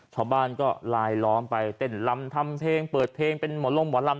ชาวบ้านก็ลายล้อมไปเต้นลำทำเพลงเปิดเพลงเป็นหมอลงหมอลำ